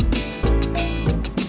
terima kasih bang